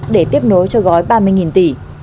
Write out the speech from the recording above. để tiếp nối cho gói ba mươi tỷ